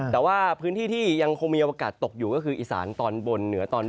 แต่ว่าพื้นที่ที่ยังคงมีโอกาสตกอยู่ก็คืออีสานตอนบนเหนือตอนบน